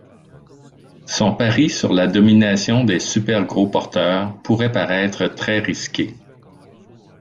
Son pari sur la domination des super gros porteurs pourrait paraître très risqué.